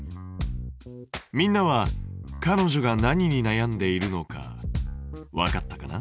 みんなはかのじょが何になやんでいるのかわかったかな？